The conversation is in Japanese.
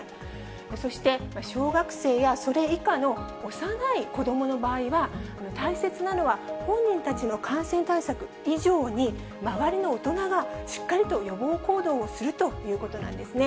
そして、小学生やそれ以下の幼い子どもの場合は、大切なのは、本人たちの感染対策以上に、周りの大人がしっかりと予防行動をするということなんですね。